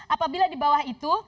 apabila di bawah itu